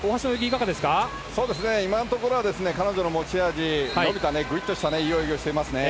今のところは彼女の持ち味伸びたいい泳ぎをしていますね。